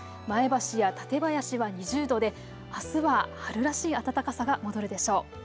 前橋や館林は２０度であすは春らしい暖かさが戻るでしょう。